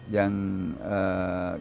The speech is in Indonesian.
yang berbentuk berbentuk